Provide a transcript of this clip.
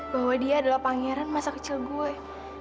bahwa dia adalah pangeran masa kecil gue